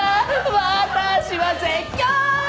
「私は絶叫！」